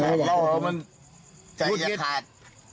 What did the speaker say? ขาดเหล้าแล้วมันมุดกิจ